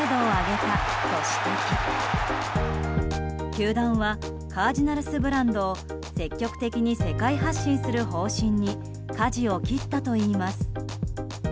球団はカージナルスブランドを積極的に世界発信する方針にかじを切ったといいます。